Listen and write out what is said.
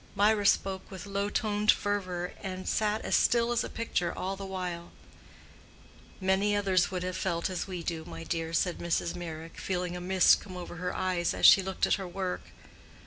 Mirah spoke with low toned fervor, and sat as still as a picture all the while. "Many others would have felt as we do, my dear," said Mrs. Meyrick, feeling a mist come over her eyes as she looked at her work.